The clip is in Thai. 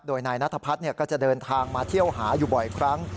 โดยนายนัทพัฒน์ก็จะเดินทางมาเที่ยวหาอยู่บ่อยครั้ง